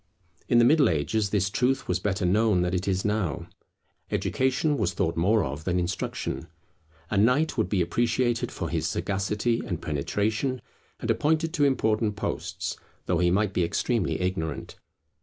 In the Middle Ages this truth was better known than it is now. Education was thought more of than instruction. A knight would be appreciated for his sagacity and penetration, and appointed to important posts, though he might be extremely ignorant.